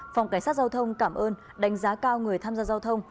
phòng cảnh sát giao thông cảm ơn đánh giá cao người tham gia giao thông